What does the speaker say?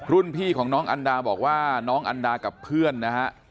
พี่ของน้องอันดาบอกว่าน้องอันดากับเพื่อนนะฮะ